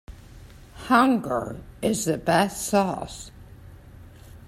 Hunger is the best sauce.